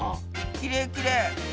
きれいきれい。